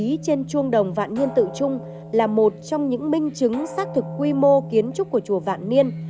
bài ký trên chuông đồng vạn niên tự trung là một trong những minh chứng xác thực quy mô kiến trúc của chùa vạn niên